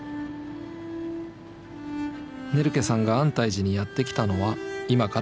ネルケさんが安泰寺にやって来たのは今から３０年前。